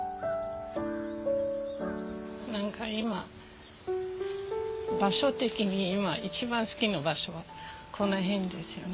何か今場所的に今一番好きな場所はこの辺ですよね。